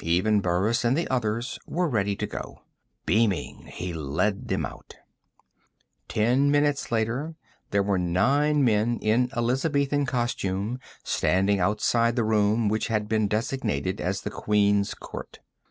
Even Burris and the others were ready to go. Beaming, he led them out. Ten minutes later, there were nine men in Elizabethan costume standing outside the room which had been designated as the Queen's Court.